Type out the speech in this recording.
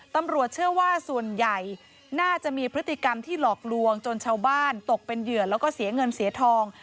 ตำรวจเชื่อว่าส่วนใหญ่น่าจะมีพฤติกรรมที่หลอกลวงจนชาวบ้านตกเป็นเหยื่อแล้วก็เสียเงินเสียทอง